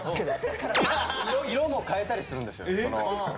色も変えたりするんですよ。